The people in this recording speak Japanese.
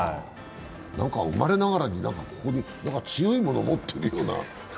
生まれながらに強いもの持ってるような。